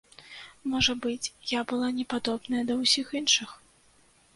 Можа быць, я была непадобная да ўсіх іншых.